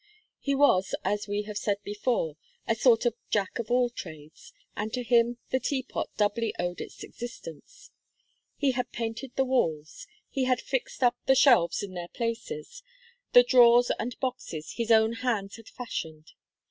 He was, as we have said before, a sort of Jack of all trades, and to him the Teapot doubly owed its existence. He had painted the walls; he had fixed up the shelves in their places; the drawers and boxes his own hands had fashioned.